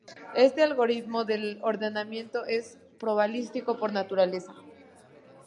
Este algoritmo de ordenamiento es probabilístico por naturaleza.